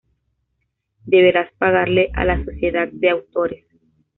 deberás pagarle a la sociedad de autores